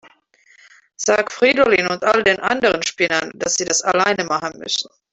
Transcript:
Sag Fridolin und all den anderen Spinnern, dass sie das alleine machen müssen.